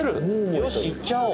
よし、行っちゃおう！